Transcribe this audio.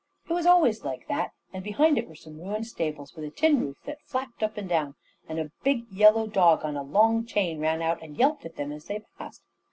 It was always like that, and behind it were some ruined stables, with a tin roof that flapped up and down; and a big yellow dog on a long chain ran out and yelped at them as they passed.